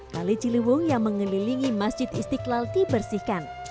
kali ciliwung yang mengelilingi masjid istiqlal dibersihkan